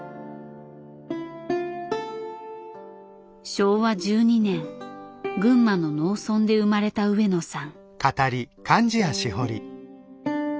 昭和１２年群馬の農村で生まれた上野さん。